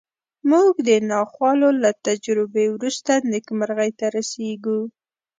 موږ د ناخوالو له تجربې وروسته نېکمرغۍ ته رسېږو